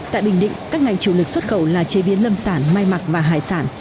tại bình định các ngành chủ lực xuất khẩu là chế biến lâm sản mai mặc và hải sản